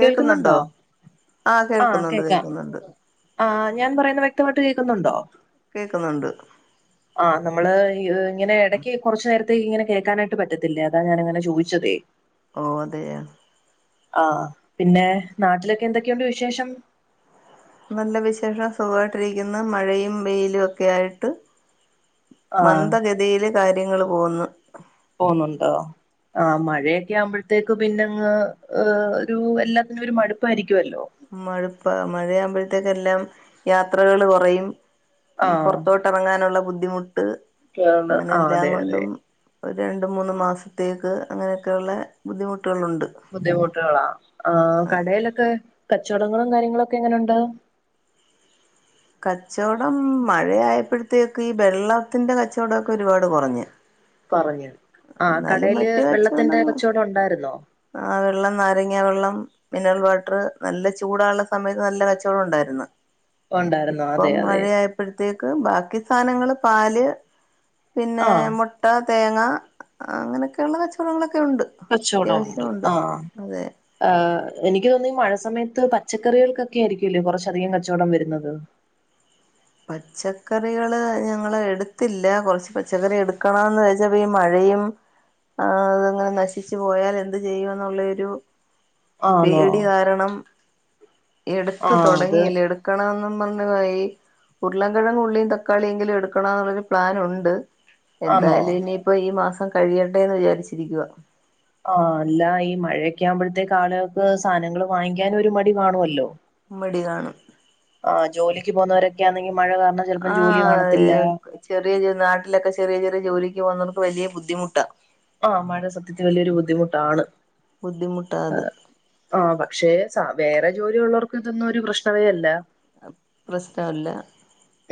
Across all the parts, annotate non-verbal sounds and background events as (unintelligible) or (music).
കേൾക്കുന്നുണ്ടോ? ആഹ് കേൾക്കുന്നുണ്ട് കേൾക്കാം. കേൾക്കുന്നുണ്ട് ആഹ് ഞാൻ പറയുന്ന് വ്യക്തമായിട്ട് കേക്കുന്നുണ്ടോ? കേക്കുന്നുണ്ട്. ആഹ്. നമ്മള് ഈഹ് ഇങ്ങനെ ഇടക്ക് കൊറച്ച് നേര ത്തിങ്ങനെ കേക്കാനായിട്ട് പറ്റത്തില്ല. അതാ ഞാനങ്ങനെ ചോദിച്ചതേ. ഓഹ് അതേയാ ആഹ് പിന്നെ നാട്ടിലൊക്കെ എന്തൊക്കെയുണ്ട് വിശേഷം? നല്ല വിശേഷം. സുഖായിട്ടിരിക്കുന്നു. മഴയും വെയിലും ഒക്കെ ആയിട്ട്. ആഹ് മന്ദഗതിയില് കാര്യങ്ങള് പോകുന്നു. പോന്നുണ്ടോ? ആഹ് മഴയൊക്കെ ആവുമ്പഴത്തേക്ക് പിന്നെങ്ങ് ഏഹ് ഒരു എല്ലാത്തിനും ഒരു മടുപ്പായിരിക്കുവല്ലോ. മഴുപ്പാ. മഴയാമ്പഴത്തേക്കെല്ലാം യാത്രകള് കൊറയും. ആഹ് പുറത്തോട്ട് ട്ടറങ്ങാനുള്ള ബുദ്ധിമുട്ട്. അങ്ങനെ ആഹ് എല്ലാം അതെ അതെ കൊണ്ടും ഒരു രണ്ട് മൂന്ന് മാസത്തേക്ക് അങ്ങനെയൊക്കെയുള്ള ബുദ്ധിമുട്ടുകളുണ്ട്. ബുദ്ധിമുട്ടുകളാ ആഹ് കടേലൊക്കെ കച്ചവടങ്ങളും കാര്യങ്ങളൊക്കെ എങ്ങനുണ്ട്. കച്ചവടം മഴയായപ്പഴത്തേക്ക് ഈ വെള്ളത്തിൻ്റെ കച്ചവടോക്കെ ഒരുപാട് കൊറഞ്ഞ് കൊറഞ്ഞു. ആഹ് കടയില് വെള്ളത്തിന്റെ കച്ചോടോണ്ടായിരുന്നോ? ആഹ് വെള്ളം നാരങ്ങ വെള്ളം മിനറൽ വാട്ടറ്. നല്ല ചൂടാള്ള സമയത്ത് നല്ല കച്ചവടം ഉണ്ടായിരുന്നു ഉണ്ടായിരുന്നു അതെ ഇപ്പം അതെ മഴയായപ്പഴത്തേക്ക് ബാക്കി സാനങ്ങള് പാല് പിന്നെ ആഹ് മുട്ട തേങ്ങ അങ്ങനൊക്കെള്ള കച്ചവടങ്ങളൊക്കെ ഉണ്ട് കച്ചവടോണ്ട്. അത്യാവശ്യമുണ്ട് ആഹ് അതെ ആഹ് എനിക്ക് തോന്നുന്നു ഈ മഴ സമയത്ത് പച്ചക്കറികൾക്കൊക്കെ ആയിരിക്കുല്ലേ കൊറച്ചധികം കച്ചവടം വരുന്നത് പച്ചക്കറികള് ഞങ്ങള് എടുത്തില്ല. കൊറച്ച് പച്ചക്കറി എടുക്കണോന്ന് വെച്ചാപ്പോ ഈ മഴയും ആഹ് അതങ്ങനെ നശിച്ചു പോയാൽ എന്ത് ചെയ്യും എന്നുള്ളേരു ആന്നോ പേടി കാരണം എടുത്ത് ആഹ് അത് തൊടങ്ങിയില്ല. എടു ക്കണമെന്നും പറഞ്ഞ്പയി ഉരുളകിഴങ്ങും ഉള്ളിയും തക്കാളിയെങ്കിലും എടുക്കണം എന്നുള്ളൊരു പ്ലാൻ ഉണ്ട്. ആന്നോ എന്തായാലും ഇനി ഇപ്പോ ഈ മാസം കഴിയട്ടെ എന്ന് വിചാരിച്ചിരിക്കുവാ ആഹ് അല്ല ഈ മഴയൊക്കെ ആവുമ്പഴത്തേക്ക് ആളുകൾക്ക് സാനങ്ങള് വാങ്ങിക്കാനും ഒരു മടി കാണുവല്ലോ. മടി കാണും ആഹ്. ജോലിക്ക് പോകുന്നവരൊക്കെയാണെങ്കിൽ മഴ കാരണം ചെലപ്പോം ജോലി കാണത്തില്ല. ആഹ് ചെറിയ ജ് നാട്ടിലൊക്കെ ചെറിയ ചെറിയ ജോലിക്ക് പോന്നവർക്ക് വലിയ ബുദ്ധിമുട്ടാ. ആഹ്. മഴ സത്യത്തിൽ വല്യൊരു ബുദ്ധിമുട്ടാണ്. ബുദ്ധിമുട്ടാ അത് ആഹ് ആഹ് പക്ഷെ സാ വേറെ ജോലി ഉള്ളവർക്ക് ഇതൊന്നും ഒരു പ്രശ്നവേ അല്ല പ്രശ്നവല്ല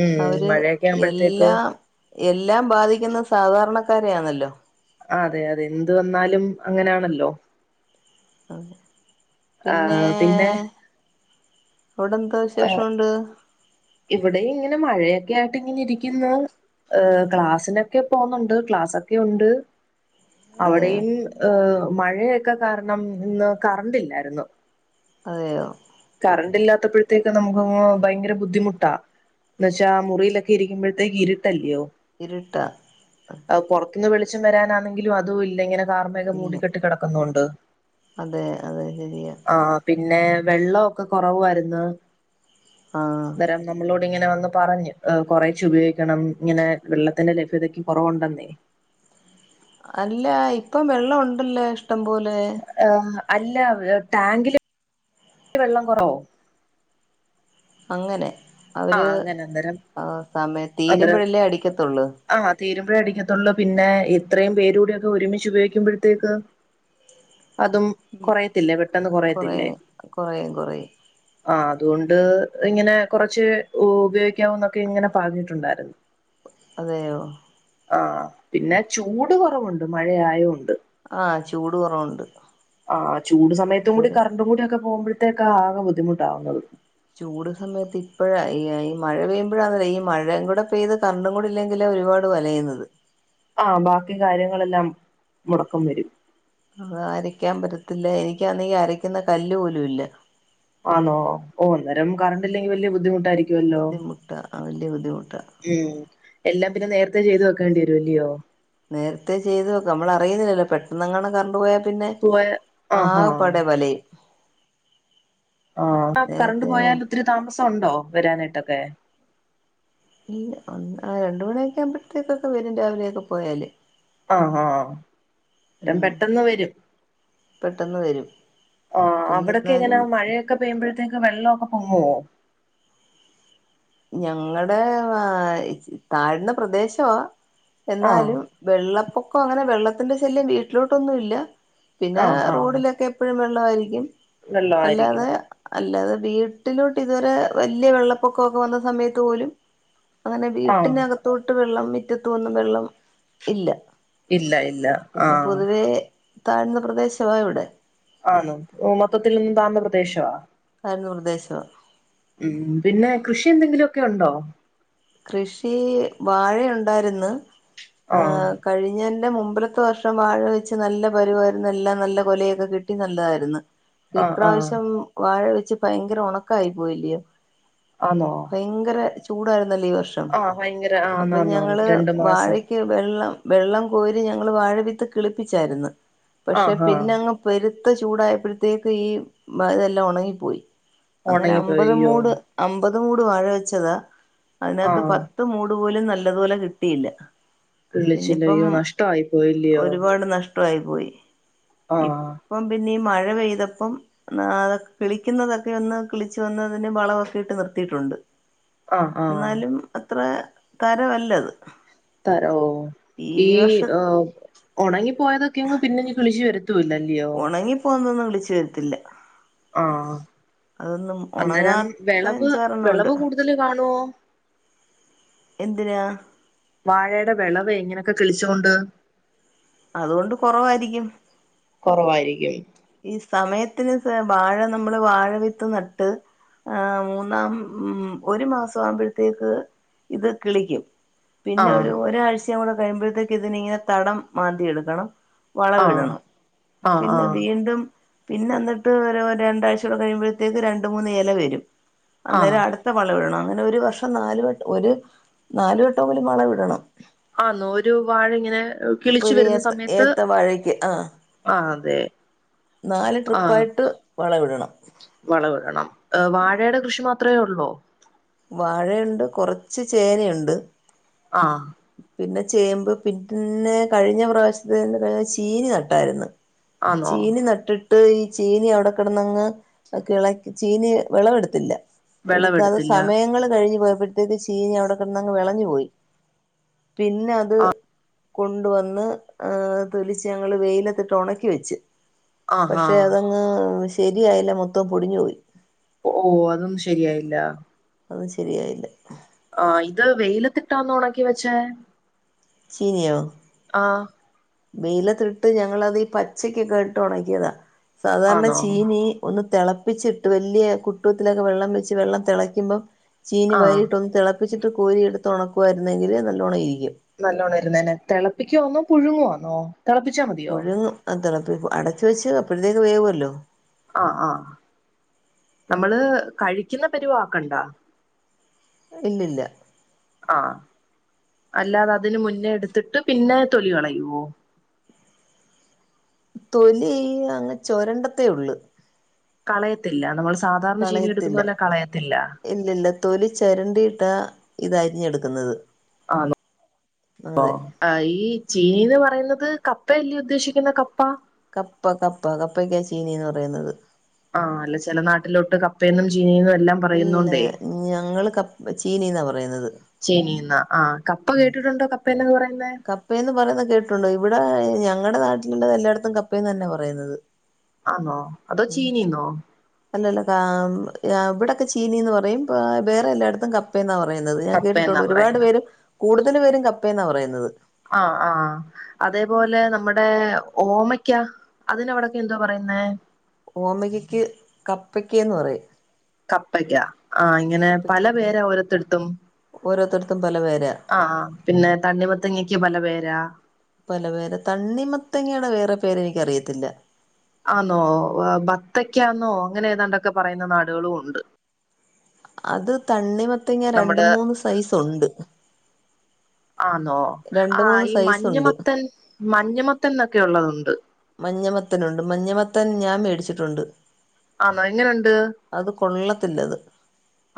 ഉം അവര് മഴയൊക്കെ ആവുമ്പോഴത്തേക്ക് എല്ലാം എല്ലാം ബാധിക്കുന്നത് സാധാരണക്കാരെയാണല്ലോ അതെ അതെ എന്ത് വന്നാലും അങ്ങനെയാണല്ലോ അതെ പിന്നേ ആ, പിന്നെ അവിടെന്താ വിശേഷം ഉണ്ട് ഇവിടെ ഇങ്ങനെ മഴയൊക്കെ ആയിട്ട് ഇങ്ങനെ ഇരിക്കുന്നു ഏഹ് ക്ലാസ്സിനൊക്കെ പോകുന്നുണ്ട് ക്ലാസൊക്കെ ഉണ്ട് അതെയോ അവിടെയും ഏഹ് മഴയൊക്കെ കാരണം ഇന്ന് കറണ്ട് ഇല്ലായിരുന്നു അതെയോ കറണ്ട് ഇല്ലാത്തപ്പഴത്തേക്ക് നമുക്കങ്ങ് ഭയങ്കര ബുദ്ധിമു ട്ടാ എന്താവെച്ചാ മുറിയിലൊക്കെ ഇരിക്കുമ്പഴത്തേക്ക് ഇരുട്ടല്ലയോ ഇരുട്ടാ അത് പൊറത്തുന്ന് വെളിച്ചം വരാനാണെങ്കിലും അതും ഇല്ല ഇങ്ങനെ കാർമേഖം ഇല്ല മൂടിക്കെട്ടി കടക്കുന്നോണ്ട് അതെ അതെ ശെരിയാ ആഹ് പിന്നെ വെള്ളവൊക്കെ കൊറവും ആരുന്ന് ആഹ് നമ്മളോട് ഇങ്ങനെ വന്ന് പറഞ്ഞു കുറേച്ചെ ഉപയോഗിക്കണം ഇങ്ങനെ വെള്ളത്തിന്റെ ലഭ്യതക്ക് കുറവുണ്ടെന്നേ അല്ലാ ഇപ്പം വെള്ളം ഉണ്ടല്ലേ ഇഷ്ടംപോലെ ഏഹ് അല്ല ടാങ്കില് വെള്ളം കുറവോ അങ്ങനെ അവര് ആഹ് അങ്ങനെ അന്നേരം ആഹ് സമയം അന്നേരം തീരുമ്പഴല്ലേ അടിക്കത്തൊള്ള് ആഹ് തീരുമ്പഴേ അടിക്കത്തൊള്ള് പിന്നെ എത്രയും പേര് കൂടെയൊക്കെ ഒരുമിച്ച് ഉപയോഗിക്കുമ്പഴത്തേക്ക് അതും കൊറയത്തില്ലേ പെട്ടെന്ന് കൊറയത്തില്ലേ കൊറയും കൊറയും കൊറയും ആഹ് അതുകൊണ്ട് ഇങ്ങനെ കൊറ ച്ച് ഉ ഉപയോഗിക്കാവോന്നൊക്കെ ഇങ്ങനെ പറഞ്ഞിട്ടുണ്ടാരുന്നു അതെയോ ആഹ് പിന്നെ ചൂട് കുറവുണ്ട് മഴയായോണ്ട് ആഹ് ചൂട് കുറവുണ്ട് ആഹ് ചൂട് സമയത്തും കൂടി കറണ്ടും കൂടി ഒക്കെ പോകുമ്പഴത്തേക്കാ ആകെ ബുദ്ധിമുട്ടാവുന്നത് ചൂട് സമയത്ത് ഇപ്പഴാ ഈ ഈ മഴ പെയ്യുമ്പഴാന്നല്ല ഈ മഴയും കൂടെ പെയ്ത് കറണ്ടും കൂടി ഇല്ലെങ്കില് ഒരുപാ ട് വലയുന്നത് ആഹ് ബാക്കി കാര്യങ്ങളെല്ലാം മുടക്കം വരും അതാ അരക്കാൻ പറ്റത്തില്ല എനിക്കാന്നെങ്കി അരക്കുന്ന കല്ല് പോലും ഇല്ല ആന്നോ ഓഹ് അന്നേരം കറണ്ട്ല്ലെങ്കി വല്യ ബുദ്ധിമുട്ടായിരി ബുദ്ധിമുട്ടാ ആഹ് വല്യ ബുദ്ധിമുട്ടാ ഉം എല്ലാം പിന്നെ നേരത്തെ ചെയ്ത് വെക്കേണ്ടി വരും അല്ലിയോ നേരത്തെ ചെയ്തു വെക്കും നമ്മൾ അറിയുന്നില്ലല്ലോ പെട്ടെന്ന് അങ്ങാണം കറണ്ട് പോയാ പിന്നെ പോയ ആഹാ ആകെ പാടെ വലയും ആഹ് കറണ്ട് നേരത്തെ പോയാൽ ഒത്തിരി താമസം ഉണ്ടോ വരാനായിട്ടൊക്കെ ഇല്ല ഒന്ന് ആ രണ്ട് മണിയൊക്കെ ആവുമ്പഴത്തേക്കൊക്കെ വരും രാവിലെയൊക്കെ പോയാല് ആഹാ (unintelligible) ഉം പെട്ടെന്ന് വരും പെട്ടെന്ന് വരും ആഹ് അവിടൊക്കെ എങ്ങനാ പിന്നെന്നാലും മഴയൊക്കെ പെയ്യുമ്പഴത്തേക്ക് വെള്ളവൊക്കെ പൊങ്ങോ? ഞങ്ങടെ വാ ഇയ് താഴ്ന്ന പ്രദേശവാ ആഹ് എന്നാലും വെള്ളപ്പൊക്കം അങ്ങനെ വെള്ളത്തിന്റെ ശല്യം വീട്ടിലോട്ടൊന്നു ഇല്ല പിന്നെ ആഹ് ആഹ് റോഡിലൊക്കെ എപ്പോഴും വെള്ളമായിരിക്കും അല്ലാതെ വെള്ളമായിരിക്കും അല്ലാതെ വീട്ടിലോട്ട് ഇതുവരെ വല്യ വെള്ളപ്പൊക്കമൊക്കെ വന്ന സമയത്ത് പോലും അങ്ങനെ ആഹ് വീട്ടിനകത്തോട്ട് വെള്ളം മിറ്റത്തന്നും വെള്ളം ഇല്ല ഇല്ല ഇല്ല പിന്നെ ആഹ് പൊതുവെ താഴ്ന്ന പ്രദേശമാ ഇവിടെ ആന്ന് മൊത്തത്തിൽ നിന്നും താഴന്ന പ്രദേശവാ കതായിരുന്നു നിർദ്ദേശം (unintelligible) ഉം പിന്നെ കൃഷി എന്തെങ്കിലുമൊക്കെ ഉണ്ടോ കൃഷി വാഴയുണ്ടായിരുന്ന്, ഹ് ആഹ് കഴിഞ്ഞെന്റെ മുമ്പലത്തെ വർഷം വാഴ വെച്ച് നല്ല പരുവായിരുന്ന എല്ലാം നല്ല കൊലയൊക്കെ കിട്ടി നല്ലതായിരുന്നു. ആഹ് ആഹ് ഇപ്രാവശ്യം വാഴ വെച്ച് ഭയങ്കര ഉണക്കായി പോയില്ലയോ ആന്നോ ഭയങ്കര ചൂടായിരുന്നല്ലോ ഈ വർഷം ആഹ് ഭയങ്കര അപ്പ ആന്നാന്നാന്ന് ഞങ്ങള് രണ്ടു മാസം വഴക്ക് വെള്ളം വെള്ളം കോരി ഞങ്ങള് വാഴവിത്ത് കിളിപ്പിച്ചായിരുന്നു. പക്ഷെ ആഹാ പിന്നെങ്ങ് പെരുത്ത് ചൂടായപ്പഴത്തേക്ക് ഈ ഇതെല്ലാം ഉണങ്ങിപ്പോയി. അങ്ങനെ ഉണങ്ങി അമ്പത് പോയിയോ മൂട് അമ്പത് മൂട് വാഴ വെച്ചതാ. അതിനകത്ത് ആഹ് പത്ത് മൂട് പോലും നല്ലതുപോലെ കിട്ടിയില്ല. പിന്നിപ്പം കിളിച്ചില്ലയോ നഷ്ടമായി പോയില്ലയോ ഒരുപാട് നഷ്ട ടായി പോയി. ആഹ് ഇപ്പം പിന്ന ഈ മഴ പെയ്തപ്പം എന്ന അതൊക്കെ കിളിക്കുന്നതൊക്കെ ഒന്ന് കിളിച്ച് വന്നതിന് വളമൊക്കെ ഇട്ട് നിർത്തിയിട്ടുണ്ട്. ആഹ് ആഹ് ന്നാലും അത്ര തരമല്ലത്. തര ഓഹ ഈ ഉണങ്ങിപ്പോയതൊക്കെങ്ങ് പിന്നെ കിളിച്ചു വരു ത്തുല്ല ല്യോ ഉണങ്ങിപ്പോന്നൊന്നും കിളിച്ചു വരത്തില്ല. ആഹ അതൊന്നും അന്നേരം ഉണങ്ങാത്ത വിളവ് അഞ്ചാറെണ്ണം ഉണ്ട് വിളവ് കൂടുതൽ കാണോ? എന്തിനാ? വാഴയുടെ വിളവ് ഇങ്ങനെക്കെ കിളിച്ചൊണ്ട്? അതുകൊണ്ട് കൊറവായിരിക്കും. കുറവായിരിക്കും. ഈ സമയത്തിന് വാഴ നമ്മള് വാഴ വിത്ത് നട്ട് ആഹ മൂന്നാം ഒരു മാസാകുമ്പോഴത്തേക്ക് ഇത് കിളിക്കും. പിന്നെ ആഹ് ഒരു ഒരാഴ്ചയും കൂടെ കഴിയുമ്പോഴത്തേക്ക് ഇതിനിങ്ങനെ തടം മാന്തിയിടും തടം ആഹ് വളവിടണം ആഹ് പിന്നെ ആഹ് വീണ്ടും പിന്നെന്നിട്ട് ഒരു രണ്ടാഴ്ചടെ കഴിയുമ്പോഴത്തേക്ക് രണ്ട് മൂന്ന് എല വരും. ആഹ് അന്നേരം അടുത്ത വള ഇടണം അങ്ങനെ ഒരു വർഷം നാല് വെട്ടം ഒരു നാല് വെട്ടംപോലും വളം ഇടണം. ആനോരു വാഴ ഇങ്ങനെ കിളിച്ചു ഒരു ഏത്ത ഏത്ത വാഴക്ക് ആഹ ആഹ അതെ നാല് ആഹ് ട്രിപ്പായിട്ട് വളവിടണം. വളവിടണം ആഹ വാഴയുടെ കൃഷി മാത്രമേ ഉള്ളോ വാഴയുണ്ട് കുറച്ച് ചേനയുണ്ട്. ആഹ പിന്നെ ചേമ്പ് പിന്നെ കഴിഞ്ഞ പ്രാവശ്യത്തെന്റെ കഴിഞ്ഞ ചീനി നട്ടായിരുന്ന്. ആന്നോ ചീനി നട്ടിട്ട് ട്ട് ഈ ചീനി അവിടെ കിടന്നങ്ങ് കിള ചീനി വിളവെടുത്തില്ല എടുക്കാതെ വിളവെടുത്തില്ല ങ്ങള് കഴിഞപോയപ്പോഴത്തേക്ക് ചീനി അവിടെ കിടന്നങ്ങ് വിളഞ്ഞു പോയി പിന്നെ അത് കൊണ്ടുവന്ന് തൊലിച്ച് ഞങ്ങള് വെയിലത്തിട്ട് ഉണക്കി വെച്ച്. ആഹാ പക്ഷെ അതങ്ങ് ശരിയായില്ല മൊത്തം പൊടിഞ്ഞുപോയി. ഓഹ് ഓഹ് അതൊന്ന ശരിയായില്ല. അത് ശരിയായില്ല. ആഹ് ഇത് വെയിലത്തിട്ടാന്ന് ഉണക്കി വെച്ചേ? ചീനിയോ? ആഹ് വെയിലത്തിട്ട് ഞങ്ങളത് പച്ചക്കൊക്കെ ഇട്ട് ഉണക്കിയതാ സാധാരണ ആന്നോ ചീനി ഒന്ന് തിളപ്പിച്ചിട്ട് വല്ല്യ കുട്ടത്തിലൊക്കെ വെള്ളം വെച്ച് വെള്ളം തിളയ്ക്കുമ്പോം ചീനി ആഹ് വരിയിട്ട് ഒന്ന് തിളപ്പിച്ചിട്ട് കോരി എടുത്ത് ഉണക്കുവായിരുന്നെങ്കില് നല്ലോണ്ണം ഇരിക്കും. നല്ലോണ്ണം ഇരുന്നേനെ തെളപ്പിക്കുവാന്നോ പുഴുങ്ങുവാന്നോ? തെളപ്പിച്ചാ മതി. പുഴുങ്ങും അത് തിളപ്പ അടച്ച വെച്ച് അപ്പോത്തേക്ക് വേവുഅല്ലോ. ആഹ് ആഹ് നമ്മള് കഴിക്കുന്ന പരിവാക്കണ്ടാ. ഇല്ലില്ല. ആഹ് അല്ലാതെ അതിന് മുന്നേ എടുത്തിട്ട് പിന്നെ തൊലികളയുവോ? തൊലി അങ് ചൊരണ്ടത്തേ ഉള്ളു. കളയത്തില്ല നമ്മൾ സാധാരണ ചീനി എടുക്കുന്ന പോലെ കളയത്തില്ല. ഇല്ലല്ല തൊലി ചരണ്ടിയിട്ടാ ഇതരിഞ്ഞടുക്കുന്നത്. ആണോ? ആഹ് ഈ ചീനീന്ന് പറയുന്നത് കപ്പയല്ലേ ഉദ്ദേശിക്കുന്ന കപ്പ? കപ്പ കപ്പ കപ്പക്കാ ചീനീന്ന് പറയുന്നത്. ആഹ് അല്ല ചില നാട്ടിലോട്ട് കപ്പയന്നും ചീനിയന്നും എല്ലാം ഇല്ല പറയുന്നോണ്ടേ ഞങ്ങള് കപ ചീനിന്നാ പറയുന്നത് ചീനീന്നാ ആഹ് കപ്പ കേട്ടിട്ടുണ്ടോ കപ്പ എന്നൊക്കെ പറയുന്ന കപ്പയന്ന് പറയുന്നത് കേട്ടുണ്ടോ ഇവിടെ ഞങ്ങടെ നാട്ടിലുള്ളത് എല്ലായിടത്തും കപ്പയന്ന് തന്നെ പറയുന്നത് ആന്നോ അതോ ചീനിന്നോ അല്ലല്ല ഇവിടെക്കെ ചീനീന്ന് പറയും വേറെ എല്ലായിടത്തും ക കപ്പയന്നാ പറയുന്നത് ഞാൻ കപ്പയെന്നാ കേട്ടിട്ടുണ്ട് ഒരുപാട് പറയുന്നെ പേരും കൂടുതൽ പേരും കപ്പയന്നാ പറയുന്നത് ആഹ് ആഹ് അതപോലെ നമ്മുടെ ഓമ ക്കാ അതിനവിടൊക്കെ എന്തോ പറയുന്നേ ഓമകയ്ക്കക്ക്‌ കപ്പയ്ക്കന്ന് പറയും കപ്പക്ക ആഹ് ഇങ്ങനെ പല കപ്പക്കേന്ന് പേര ഓരത്തെടുത്തും ഓരോരുത്തടത്തും പല പേരാ ആഹ് പിന്നെ തണ്ണിമത്തങ്ങൊക്കെ പല പേരാ പല പേര് തണ്ണിമത്തങ്ങയുടെ വേറെ പേരെനിക്കറിയത്തില്ല ആന്നോ ബത്തക്കാന്നോ അങ്ങനെ ഏതാണ്ടൊക്കെ പറയുന്ന നാടുകളും ഉണ്ട് അത് തണ്ണി മത്തങ രണ്ട് നമ്മുടെ മൂന്ന് സൈസ് ഒണ്ട് ആന്നോ രണ്ട് ആ മൂന്ന് ഈ സൈസുണ്ട് മഞ്ഞമത്തൻ മഞ്ഞമത്തൻ എന്നൊക്കെ ഉള്ളത്ണ്ട് മഞ്ഞമത്തനുണ്ട് മഞ്ഞമത്തൻ ഞാൻ മേടിച്ചിട്ടുണ്ട് ആണോ എങ്ങനുണ്ട് അത് കൊള്ളത്തില്ലത്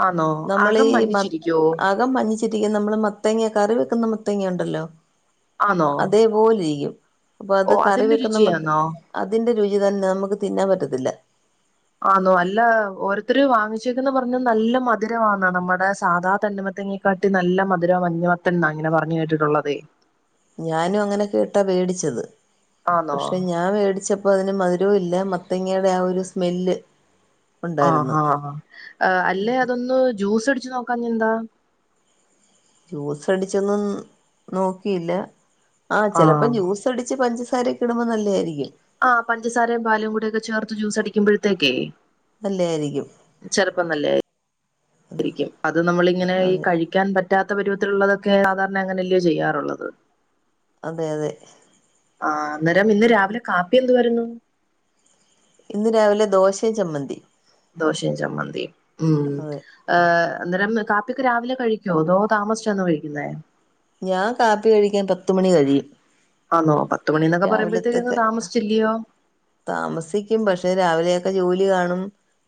ആന്നോ നമ്മളീ അകം മഞ്ഞിച്ചിരിക്കുവോ അകം മഞ്ഞ രിക്കും നമ്മള് മത്തങ്ങ കറി വെക്കുന്ന മത്തങ്ങ ഉണ്ടല്ലോ ആന്നോ അതേപോലെ ഇരിക്കും അപ്പൊ അത് ഓ കറി അതിന്റെ വെക്കുന്ന രുചിയാന്നോ അതിന്റെ രുചി തന്നെ നമുക്ക് തിന്നാൻ പറ്റത്തില്ല ആണോ അല്ല ഓരോത്തരു വാങ്ങിച്ചേക്കന്ന് പറഞ്ഞ നല്ല മധുരംന്ന നമ്മുടെ സാധാ തണ്ണമത്തെങ്ങി കാട്ടി നല്ല മധുര മഞ്ഞമത്തൻ എന്നാ ഇങ്ങനെ പറഞ്ഞു കേട്ടിട്ടുള്ളതേ ഞാനും അങ്ങനെ കേട്ടാ മേടിച്ചത് ആന്നോ പക്ഷെ ഞാൻ മേടിച്ച അപ്പൾ അതിന് മധുരവും ഇല്ല മത്തങ്ങയുടെ ആ ഒരു സ്മെല്ല് ഉണ്ടായിരുന്നു ആഹാ ആ അല്ലേ അതൊന്ന് ജ്യൂസ് അടിച്ച് നോക്കാ എന്താ ജ്യൂസ് അടിച്ചൊന്നും നോക്കിയില്ല ആ ചിലപ്പോ ആഹ് ജ്യൂസ് തൊടിച്ച് പഞ്ചാരൊക്ക ഇടുമ്പോൾ നല്ലതായിരിക്കും ആ് പഞ്ചാരയും പാലും കൂടെ ഒക്കെ ചേർത്ത് ജ്യൂസ് അടിക്കുമ്പോഴത്തേക്കേ നല്ലയായിരിക്കും ചെറപ്പം നല്ലരിക്കും അത് നമ്മളിങ്ങനെ അതെ കഴ- ക്കാൻ പറ്റാത്ത പരുവത്തിലുള്ളതൊക്കെ സാധാരണ അങ്ങനെയല്ലയോ ചെയ്യാറുള്ളത് അതെ അതെ ആ അന്നേരം ഇന്ന് രാവിലെ കാപ്പി എന്ത് വരുന്നു ഇന്ന് രാവിലെ ദോശയും ചമ്മന്തി ദോഷി ച്ചമതി ഉം അതെ ഏഹ് അന്നേരം കാപ്പിൊക്ക്െ രാവിലെ കഴിക്കുവോ അതോ താമസിച്ചാാണ് കഴിക്കുന്ന ഞാൻ കാപ്പി കഴിക്കാൻ പത്ത മണി കഴിയും ആന്നോ പത്തുമ മണീന്നൊക്കെ പറയുമ്പഴത്തേക്കങ് രാവിലത്തൊക്കെ താമസിച്ചില്ലയോ താമസിക്കും പക്ഷെ രാവിലെയൊക്കെ ജോലി കാണും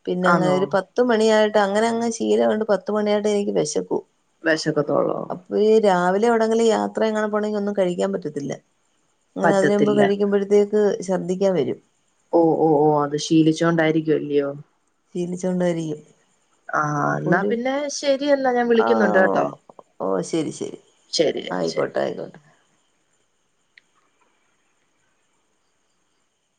പിന്നെ അങ്ങനെ ആന്നോ ഒരു പത്ത് പത്ത് മണിയായിട്ട് അങ്ങനെ അങ്ങെ ശീലം കണ്ട് പത്ത മണിയായിട്ട് എനിക്ക് വിശക്കും വിശക്കത്തോളവും അപ്പൊ ഈ രാവിലെവിടെെങ്കില് യാത്ര എങ്ങാൻ പോണമെങ്കിൽ ഒന്നും കഴിക്കാൻ പറ്റത്തില്ല അങ്ങനെ അതിനന് മുമ്പ് പറ്റത്തില്ല കഴിക്കുമ്പഴത്തേക്ക് ശർദ്ദിക്കാൻ വരും ഓ ഓ ഓ അത് ശീലിച്ചൊണ്ടായിരിക്കുംല്ലയോ ജീലിച്ചുക കൊണ്ട വരിക്കും ആഹ എന്നാ പിന്നെ ശരിയെന്നാ ഞാൻ ആ വിളിക്കുന്നുണ്ട് കേട്ടോ ഓ ശരി ശരി ശരി ശരി ആയിക്കോട്ടെ ആയിക്കോട്ടെ